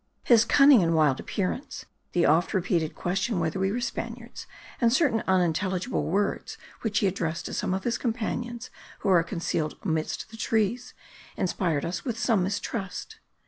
His cunning and wild appearance, the often repeated question whether we were Spaniards, and certain unintelligible words which he addressed to some of his companions who were concealed amidst the trees, inspired us with some mistrust.